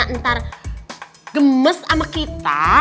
besar gemes sama kita